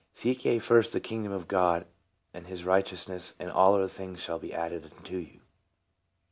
"' Seek ye first the kingdom of God and his righteousness, and all other things shall be added unto you.'"